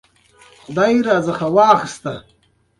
دا هلک په ټولګي کې تل لومړی راځي